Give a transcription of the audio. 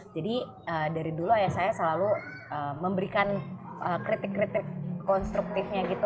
jadi dari dulu saya selalu memberikan kritik kritik konstruktif